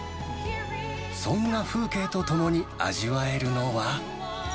そんな風景とともに味わえるのは。